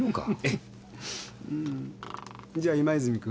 んーじゃあ今泉君。